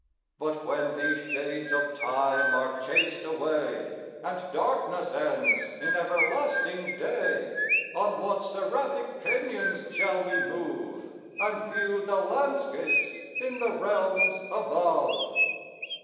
But when these shades of time are chas'd away, And darkness ends in everlasting day, On what seraphic pinions shall we move, And view the landscapes in the realms above?